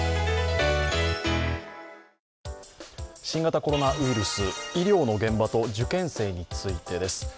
新型コロナウイルス、医療の現場と受験生についてです。